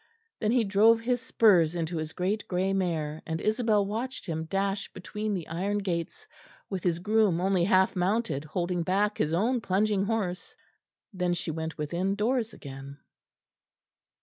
Then he drove his spurs into his great grey mare, and Isabel watched him dash between the iron gates, with his groom only half mounted holding back his own plunging horse. Then she went within doors again.